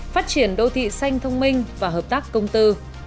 phát triển đô thị xanh thông minh và hợp tác công tư